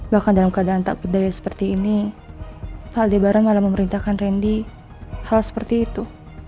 bahkan dalam keadaan takut daya seperti ini pak aldebaran malah memerintahkan randy hal seperti itu